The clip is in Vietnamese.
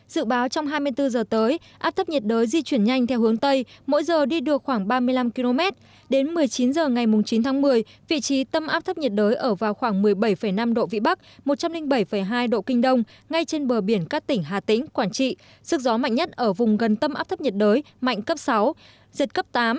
dự báo trong hai mươi bốn h tới áp thấp nhiệt đới di chuyển nhanh theo hướng tây mỗi giờ đi được khoảng ba mươi năm km đến một mươi chín h ngày chín tháng một mươi vị trí tâm áp thấp nhiệt đới ở vào khoảng một mươi bảy năm độ vĩ bắc một trăm linh bảy hai độ kinh đông ngay trên bờ biển các tỉnh hà tĩnh quảng trị sức gió mạnh nhất ở vùng gần tâm áp thấp nhiệt đới mạnh cấp sáu giật cấp tám